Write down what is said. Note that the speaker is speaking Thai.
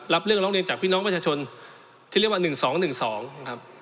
รับเรื่องร้องเรียนจากพี่น้องประชาชนที่เรียกว่า๑๒๑๒ครับ